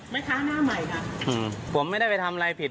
หน้าใหม่ค่ะอืมผมไม่ได้ไปทำอะไรผิด